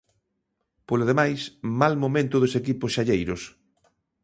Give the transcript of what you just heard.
Polo demais, mal momento dos equipos xalleiros.